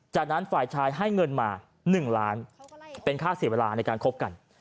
จากนั้นฝ่ายชายให้เงินมา๑ล้านเป็นค่าเสียเวลาในการคบกัน